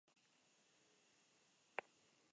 Fue Edil y ocupó la Presidencia de la Junta Departamental.